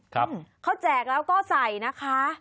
ครับเขาแจกแล้วก็ใส่นะคะ